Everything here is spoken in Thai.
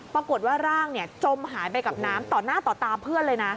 ปรากฏว่าร่างจมหายไปกับน้ำต่อหน้าต่อตาเพื่อนเลยนะ